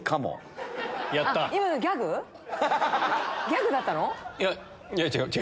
ギャグだったの？